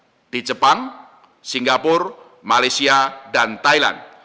seperti di jepang singapura malaysia dan thailand